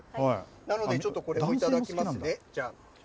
なのでちょっとこれ、頂きますね。